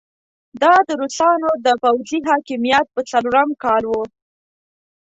دا د روسانو د پوځي حاکميت په څلورم کال وو.